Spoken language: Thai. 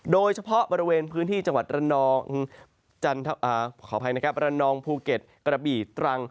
โดยเฉพาะบริเวณพื้นที่จังหวัดระนองขออภัยนะครับระนองภูเก็ตกระบี่ตรัง